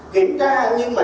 kiểm tra nhưng mà